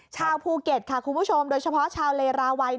ชาวภูเก็ตค่ะคุณผู้ชมโดยเฉพาะชาวเลราวัย